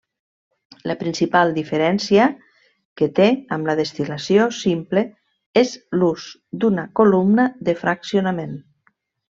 La principal diferència que té amb la destil·lació simple és l'ús d'una columna de fraccionament.